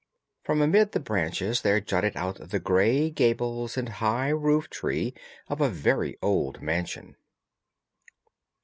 From amid the branches there jutted out the grey gables and high roof tree of a very old mansion.